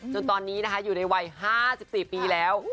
จนตอนนี้นะคะอยู่ในวัย๕๔ปีแล้ว